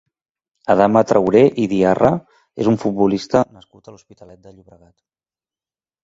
Adama Traoré i Diarra és un futbolista nascut a l'Hospitalet de Llobregat.